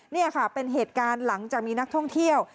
นี่ค่ะเป็นเหตุการณ์หลังจากมีนักท่องเที่ยว